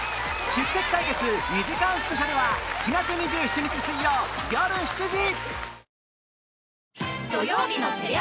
宿敵対決２時間スペシャルは４月２７日水曜よる７時